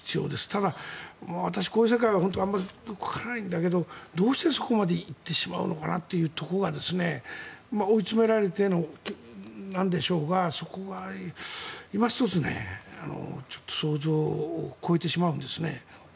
ただ、私こういう世界はよくわからないんだけどどうしてそこまで行ってしまうのかなというところが追い詰められてなんでしょうがそこはいま一つ想像を超えてしまうんですね。